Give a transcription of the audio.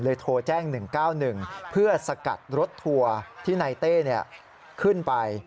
โทรแจ้ง๑๙๑เพื่อสกัดรถทัวร์ที่นายเต้ขึ้นไป